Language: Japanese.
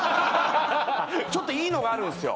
ちょっといいのがあるんすよ